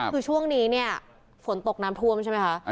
คือช่วงนี้เนี่ยฝนตกน้ำท่วมใช่ไหมคะ